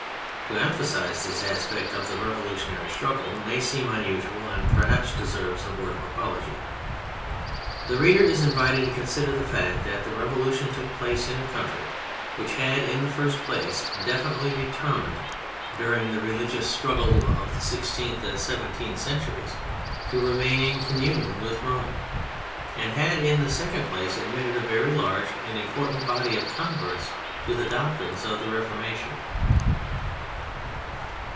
To emphasise this aspect of the revolution ary struggle may seem unusual and perhaps deserves a word of apology. The reader is invited to consider the fact that the Revolution took place in a country which had, in the first place, definitely determined during the religious struggle of viii PREFACE the sixteenth and seventeenth centuries to remain in communion with Rome; and had, in the second place, admitted a very large and important body of converts to the doctrines of the Reformation.